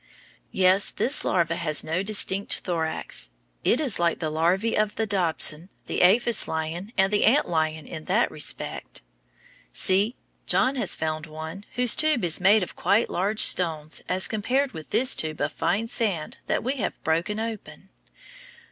Yes, this larva has no distinct thorax. It is like the larvæ of the dobson, the aphis lion, and the ant lion in that respect. See! John has found one whose tube is made of quite large stones as compared with this tube of fine sand that we have broken open.